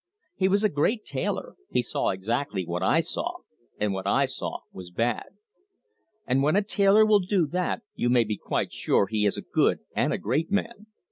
He was a great tailor he saw exactly what I saw, and what I saw was bad; and when a tailor will do that, you may be quite sure he is a good and a great man.